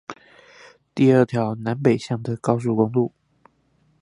第二條南北向的高速公路